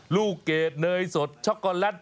ลูกเกดเนยสดช็อกโกแลต